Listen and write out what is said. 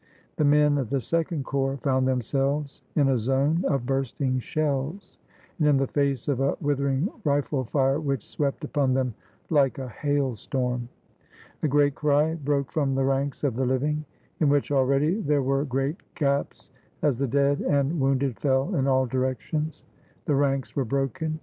The men of the Second Corps found them selves in a zone of bursting shells, and in the face of a withering rifle fire which swept upon them like a hail storm. A great cry broke from the ranks of the living, in which already there were great gaps, as the dead and wounded fell in all directions. The ranks were broken.